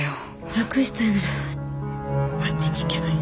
楽したいならあっちに行けばいい。